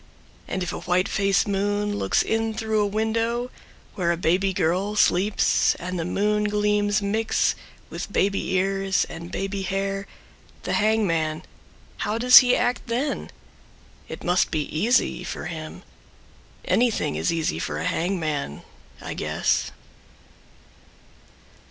And if a white face moon looks In through a window where a baby girl Sleeps and the moon gleams mix with Baby ears and baby hair the hangman How does he act then? It must be easy For him. Anything is easy for a hangman, I guess.